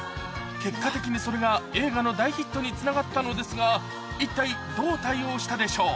結果的にそれが映画の大ヒットにつながったのですが、一体どう対応したでしょう。